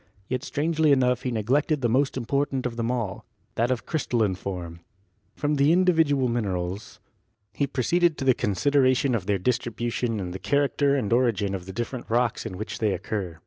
Yet strangely enough he neglected the most important of them all — that of crystalline form. From the individual minerals he proceeded to the consideration of their distribution and the character and origin of the different rocks in which they occur.